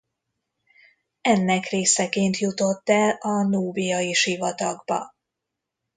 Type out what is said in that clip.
Ennek részeként jutott el a Núbiai-sivatagba.